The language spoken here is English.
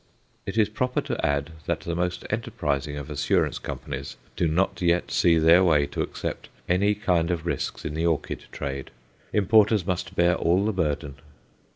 It is proper to add that the most enterprising of Assurance Companies do not yet see their way to accept any kind of risks in the orchid trade; importers must bear all the burden.